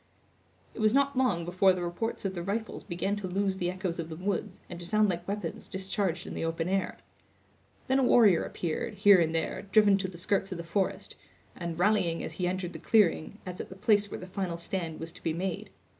It was not long before the reports of the rifles began to lose the echoes of the woods, and to sound like weapons discharged in the open air. Then a warrior appeared, here and there, driven to the skirts of the forest, and rallying as he entered the clearing, as at the place where the final stand was to be made.